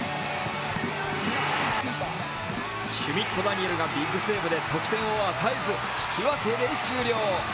シュミットダニエルがビッグセーブで得点を与えず、引き分けで終了。